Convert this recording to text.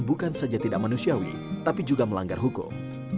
bukan saja tidak manusiawi tapi juga melanggar hukum